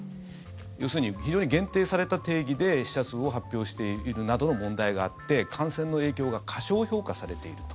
要するに非常に限定された定義で死者数を発表しているなどの問題があって感染の影響が過小評価されていると。